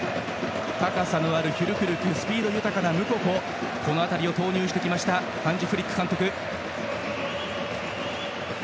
高さのあるフュルクルクスピード豊かなムココこの辺りを投入してきましたハンジ・フリック監督。